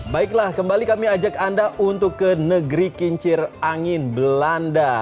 baiklah kembali kami ajak anda untuk ke negeri kincir angin belanda